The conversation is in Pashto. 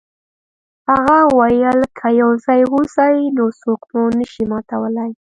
هغه وویل که یو ځای اوسئ نو څوک مو نشي ماتولی.